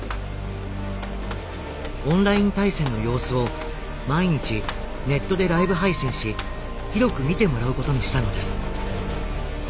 オンライン対戦の様子を毎日ネットでライブ配信し広く見てもらうことにしたのです。